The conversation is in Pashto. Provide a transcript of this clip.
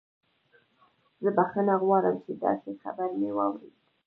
زه بخښنه غواړم چې داسې خبر مې واورید